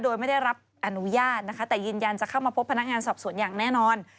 โดยไม่ได้รับอนุญาตนะคะแต่ยืนยันจะเข้ามาพบพนักงานสอบสวนอย่างแน่นอน